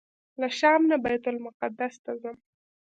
له شام نه بیت المقدس ته ځم.